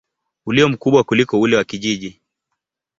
ulio mkubwa kuliko ule wa kijiji.